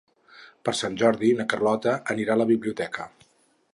Per Sant Jordi na Carlota anirà a la biblioteca.